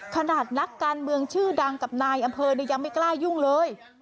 นักการเมืองชื่อดังกับนายอำเภอยังไม่กล้ายุ่งเลย